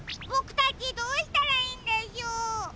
ボクたちどうしたらいいんでしょう？